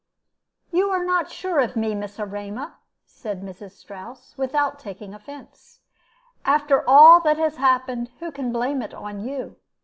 "You are not sure of me, Miss Erema," said Mrs. Strouss, without taking offense. "After all that has happened, who can blame it on you?